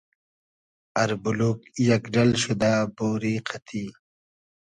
اربولوگ یئگ ۮئل شودۂ بۉری قئتی